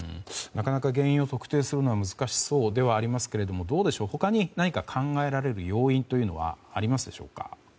原因を特定するのは難しそうではありますがどうでしょう他に何か考えられる要因はありますでしょうか。